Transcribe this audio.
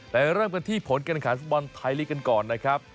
เริ่มกันที่ผลการขันฟุตบอลไทยลีกกันก่อนนะครับ